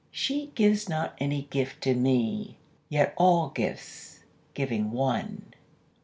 She gives not any gift to me Yet all gifts, giving one....